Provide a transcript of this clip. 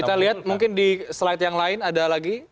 kita lihat mungkin di slide yang lain ada lagi